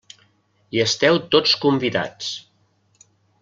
Hi esteu tots convidats!